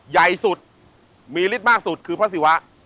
ใหญ่สุดมีฤทธิ์มากสุดคือพระศิวะ